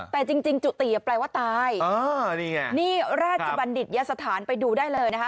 แต่จริงจริงจุติแปลว่าตายอ๋อนี่ไงนี่ราชบัณฑิตยสถานไปดูได้เลยนะฮะ